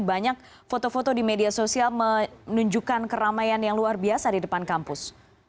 banyak foto foto di media sosial menunjukkan keramaian yang luar biasa di depan kampus